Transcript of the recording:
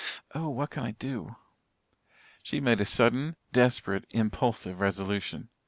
Oh, what can I do?" She made a sudden, desperate, impulsive resolution.